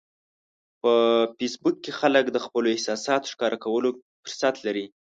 په فېسبوک کې خلک د خپلو احساساتو ښکاره کولو فرصت لري